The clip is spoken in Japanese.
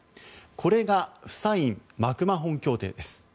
これがフサイン・マクマホン協定です。